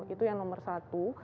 itu yang nomor satu